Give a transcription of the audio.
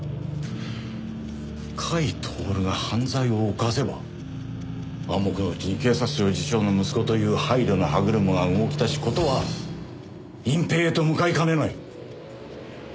甲斐享が犯罪を犯せば暗黙の裡に警察庁次長の息子という配慮の歯車が動き出し事は隠蔽へと向かいかねない。